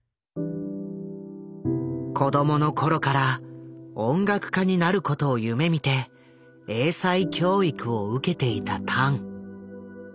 子どもの頃から音楽家になることを夢みて英才教育を受けていたタン。